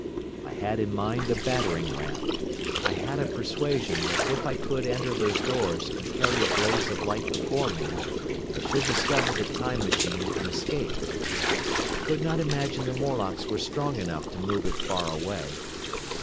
I had in mind a battering ram. I had a persuasion that if I could enter those doors and carry a blaze of light before me I should discover the Time Machine and escape. I could not imagine the Morlocks were strong enough to move it far away.